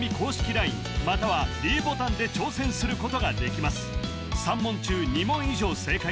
ＬＩＮＥまたはｄボタンで挑戦することができます